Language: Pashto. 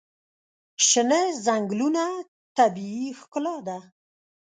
شنه ځنګلونه طبیعي ښکلا ده.